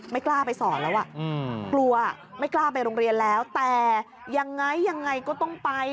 ไม่กล้าไปสอนแล้วอ่ะกลัวไม่กล้าไปโรงเรียนแล้วแต่ยังไงยังไงก็ต้องไป